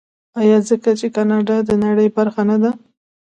آیا ځکه چې کاناډا د نړۍ برخه نه ده؟